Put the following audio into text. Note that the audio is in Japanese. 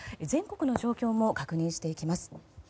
全国の状況も確認していきます。